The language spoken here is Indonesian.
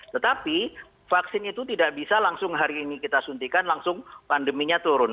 tetapi vaksin itu tidak bisa langsung hari ini kita suntikan langsung pandeminya turun